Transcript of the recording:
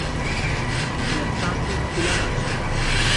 এর চারটি খিলান আছে।